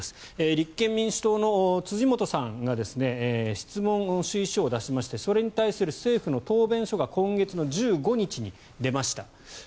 立憲民主党の辻元さんが質問主意書を出しましてそれに対する政府の答弁書が今月１５日に出ました。